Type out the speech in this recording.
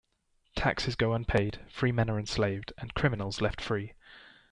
Taxes go unpaid, free men are enslaved, and criminals left free.